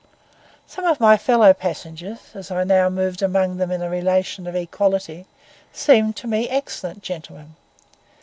Some of my fellow passengers, as I now moved among them in a relation of equality, seemed to me excellent gentlemen.